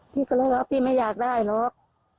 พี่ก็เลยว่าพี่ไม่อยากได้หรอก